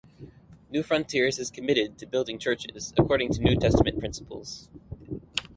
Newfrontiers is committed to building churches according to New Testament principles.